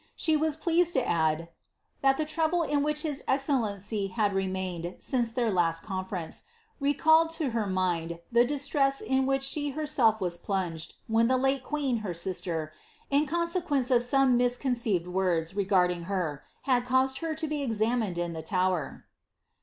Sha pleased lo add, " thai the trouble in which hia encellencv had rerai aince Iheir last conference, recalled to her mind the distress in w she herself was plunged when the late queen, her sister, in conseqn of some misconceived words regarding her, had caused her to bt amined in the Tower."'